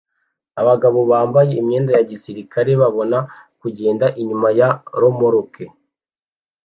Abagabo bambaye imyenda ya gisirikare babona kugenda inyuma ya romoruki